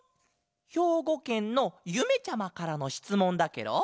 ひょうごけんのゆめちゃまからのしつもんだケロ。